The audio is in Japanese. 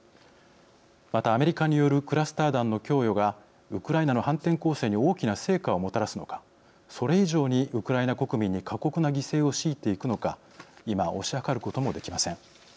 またアメリカによるクラスター弾の供与がウクライナの反転攻勢に大きな成果をもたらすのかそれ以上にウクライナ国民に過酷な犠牲を強いていくのか今推し量ることもできません。